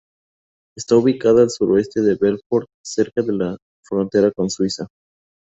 Está ubicada a al sureste de Belfort, cerca de la frontera con Suiza.